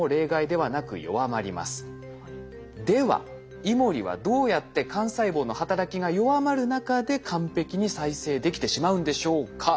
ではイモリはどうやって幹細胞の働きが弱まる中で完璧に再生できてしまうんでしょうか？